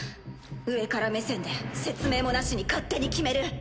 上から目線で説明もなしに勝手に決める。